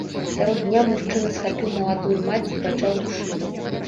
Сярод дня мужчына схапіў маладую маці і пачаў душыць.